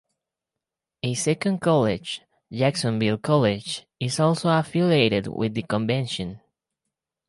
A second college, Jacksonville College is also affiliated with the convention.